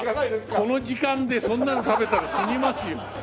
この時間でそんなの食べたら死にますよ。